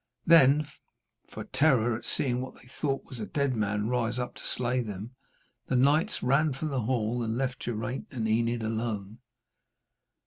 Then, for terror at seeing what they thought was a dead man rise up to slay them, the knights ran from the hall and left Geraint and Enid alone.